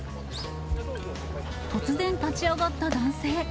突然立ち上がった男性。